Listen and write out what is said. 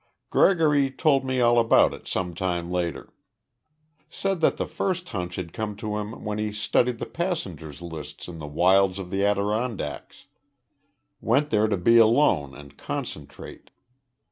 "Gregory told me all about it sometime later. Said that the first hunch had come to him when he studied the passengers' lists in the wilds of the Adirondacks. Went there to be alone and concentrate.